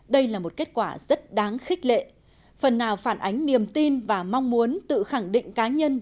đây là một kết quả rất đáng khích lệ phần nào phản ánh niềm tin và mong muốn tự khẳng định cá nhân